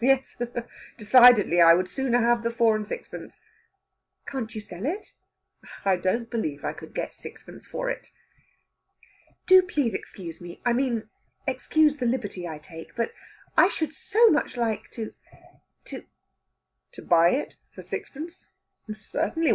Yes, decidedly! I would sooner have the four and sixpence." "Can't you sell it?" "I don't believe I could get sixpence for it." "Do please excuse me I mean, excuse the liberty I take but I should so much like to to...." "To buy it for sixpence? Certainly.